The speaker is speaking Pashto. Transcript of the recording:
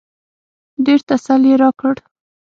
ډېر تسل يې راکړ.